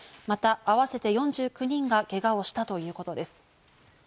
また合わせて４９人がけがをしたということです。